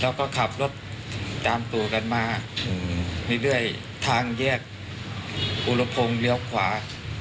แล้วก็ขับรถตามตัวกันมาเรื่อยทางแยกอุรพงศ์เลี้ยวขวา